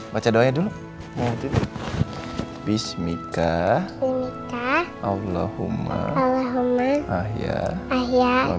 baca doanya dulu bismillah allahumma allahumma ahya ahya bismillah